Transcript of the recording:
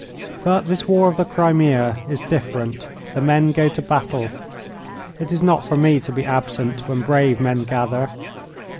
But this war of the Crimea is different. The men go to battle. It is not for me to be absent when brave men gather.